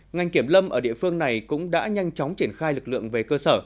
ngành kiểm lâm ở địa phương này cũng đã nhanh chóng triển khai lực lượng về cơ sở